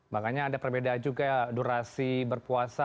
makanya ada perbedaan juga durasi berpuasa